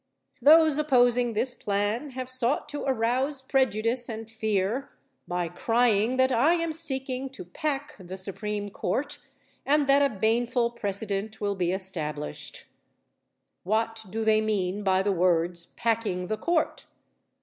Those opposing this plan have sought to arouse prejudice and fear by crying that I am seeking to "pack" the Supreme Court and that a baneful precedent will be established. What do they mean by the words "packing the Court"?